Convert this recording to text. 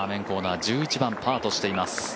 コーナー１１番、パーとしています。